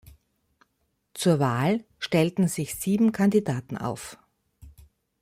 Zur Wahl stellten sich sieben Kandidaten auf.